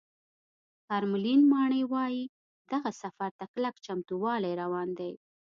کرملین ماڼۍ وایي، دغه سفر ته کلک چمتووالی روان دی